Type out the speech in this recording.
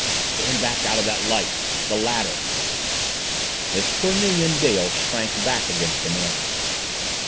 "Stand back out of that light! The ladder!" Miss Cornelia and Dale shrank back against the mantel.